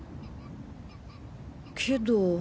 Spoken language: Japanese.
けど。